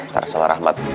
ntar sama rahmat